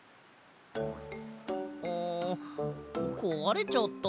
あこわれちゃった。